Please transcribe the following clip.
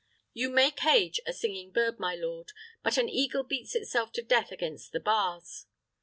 You may cage a singing bird, my lord, but an eagle beats itself to death against the bars.